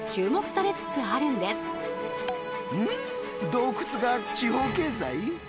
洞窟が地方経済？